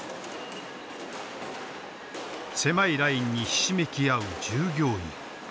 狭いラインにひしめき合う従業員。